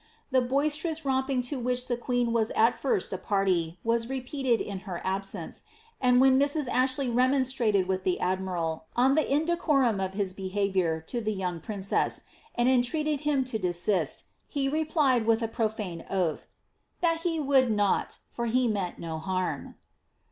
The boisterous romping to which the queen was at first a party, was re peated in her absence, and when Mrs. Ashley remonstrated with the ad miral on the indecorum of his behaviour to the young princess, and en treated him to desist, he replied with a profane oath, ^ that he would not, for he meant no harm.''